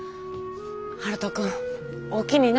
悠人君おおきにな。